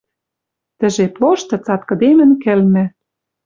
Тӹ жеп лошты цаткыдемӹн кӹлмӹ